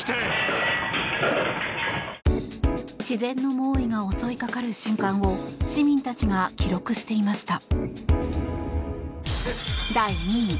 自然の猛威が襲いかかる瞬間を市民たちが記録していました。